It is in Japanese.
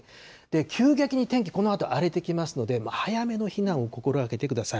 急激に天気、このあと荒れてきますので、早めの避難を心がけてください。